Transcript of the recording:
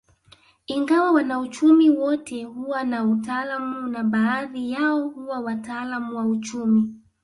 Ingawa wanauchumi wote huwa na utaalamu na baadhi yao huwa wataalamu wa uchumi